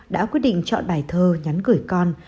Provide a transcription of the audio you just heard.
đã quyết định chọn bài thơ nhắn gửi con